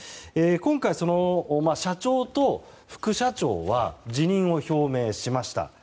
今回、社長と副社長は辞任を表明しました。